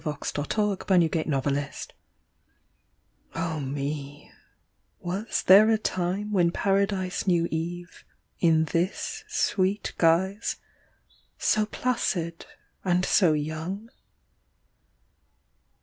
55 FOR LUCAS CRANACH S EVE Oh me, Was there a time When Paradise knew Eve In this sweet guise, so placid and So young?